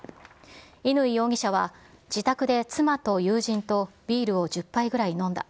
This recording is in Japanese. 乾容疑者は、自宅で妻と友人とビールを１０杯ぐらい飲んだ。